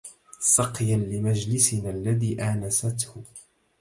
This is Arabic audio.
سقيا لمجلسنا الذي آنسته